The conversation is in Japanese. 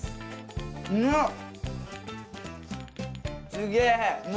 すげえ！